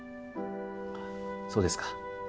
あっそうですか。